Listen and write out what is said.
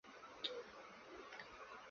模式种为蒙古鼻雷兽。